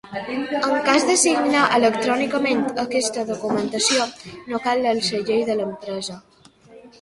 En cas de signar electrònicament aquesta documentació no cal el segell de l'empresa.